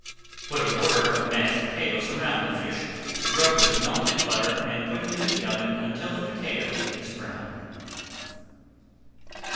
Put a border of mashed potatoes around the fish, rub with melted butter and put into the oven until the potato is brown.